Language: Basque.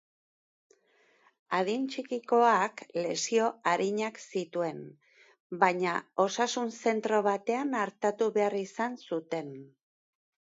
Adin txikikoak lesio arinak zituen baina osasun zentro batean artatu behar izan zuten.